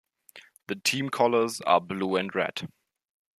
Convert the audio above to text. The team colors are blue and red.